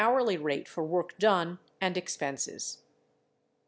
600 rate for work done and expenses.